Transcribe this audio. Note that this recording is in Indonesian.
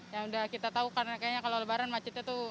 ya udah kita tahu karena kayaknya kalau lebaran macetnya tuh